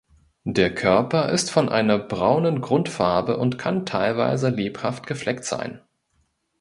Der Körper ist von einer braunen Grundfarbe und kann teilweise lebhaft gefleckt sein.